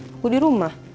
aku di rumah